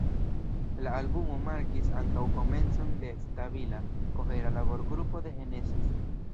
La albumo markis ankaŭ komencon de stabila, kohera laborgrupo de Genesis.